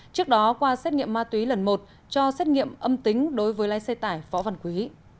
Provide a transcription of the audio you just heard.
trước đó qua xét nghiệm ma túy lần một cho xét nghiệm âm tính đối với lái xe tải võ văn quý